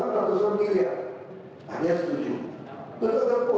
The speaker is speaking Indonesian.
jadi dia setakat